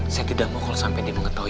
saya tidak mau kalau sampai dia mengetahui